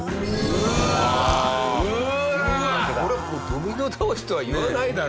これもうドミノ倒しとは言わないだろ。